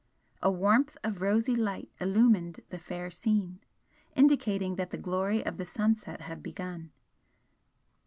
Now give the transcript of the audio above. A warmth of rosy light illumined the fair scene, indicating that the glory of the sunset had begun.